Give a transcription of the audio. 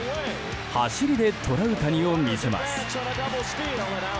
走りでトラウタニを見せます。